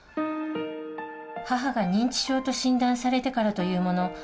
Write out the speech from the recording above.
母が認知症と診断されてからというもの